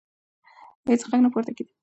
هیڅ غږ نه پورته کېده.